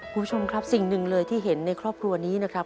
คุณผู้ชมครับสิ่งหนึ่งเลยที่เห็นในครอบครัวนี้นะครับ